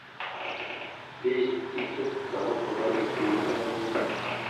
Mbiyez dik tacacah mapakala kwatar maɗa enne.